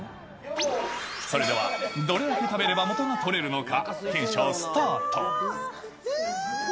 それでは、どれだけ食べれば元が取れるのか、検証スタート。